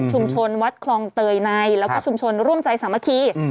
วัดคลองเตยในแล้วก็ชุมชนร่วมใจสามัคคี